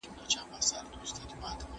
تاسي په خپلو خبرو کي پوره باور لرئ.